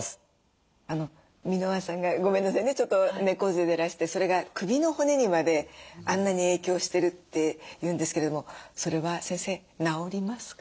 箕輪さんがごめんなさいねちょっと猫背でらしてそれが首の骨にまであんなに影響してるっていうんですけれどもそれは先生なおりますか？